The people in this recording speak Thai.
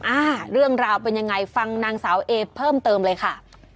อ่าเรื่องราวเป็นยังไงฟังนางสาวเอเพิ่มเติมเลยค่ะ